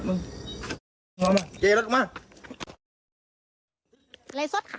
เดี๋ยวล่าออุ่มมา